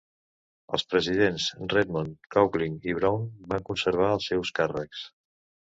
Els presidents Redmond, Coughlin i Brown van conservar els seus càrrecs.